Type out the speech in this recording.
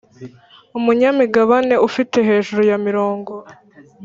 umunyamigabane ufite hejuru ya mirongo